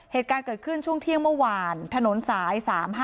เหตุการณ์เกิดขึ้นช่วงเที่ยงเมื่อวานถนนสาย๓๕